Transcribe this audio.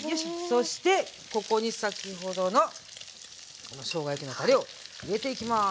そしてここに先ほどのこのしょうが焼きのたれを入れていきます。